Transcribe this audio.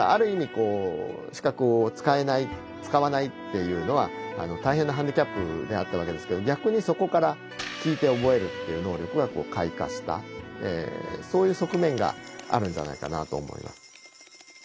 こう視覚を使えない使わないっていうのは大変なハンディキャップであったわけですけど逆にそこからそういう側面があるんじゃないかなと思います。